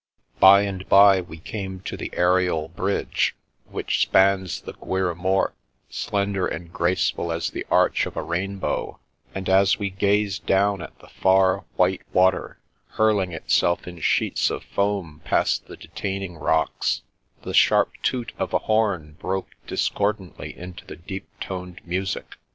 By and bye we came to the aerial bridge which 'spans the Guiers Mort, slender and graceful as the arch of a rainbow, and as we gazed down at the far, white water hurling itself in sheets of foam past the detaining rocks, the sharp toot of a horn broke dis cordantly into the deep toned music.